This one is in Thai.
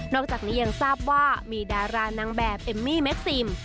อกจากนี้ยังทราบว่ามีดารานางแบบเอมมี่เม็กซิม